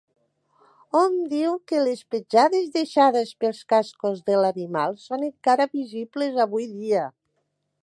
Hom diu que les petjades deixades pels cascos de l'animal són encara visibles avui dia.